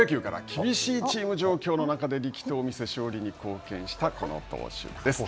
厳しいチーム状況の中で力投を見せ、勝利に貢献したこの投手です。